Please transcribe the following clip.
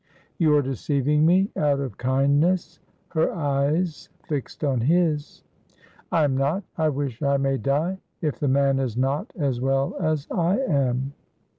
"You are deceiving me out of kindness." (Her eyes fixed on his.) "I am not. I wish I may die if the man is not as well as I am!"